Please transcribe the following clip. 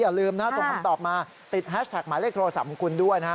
อย่าลืมนะส่งคำตอบมาติดแฮชแท็กหมายเลขโทรศัพท์ของคุณด้วยนะฮะ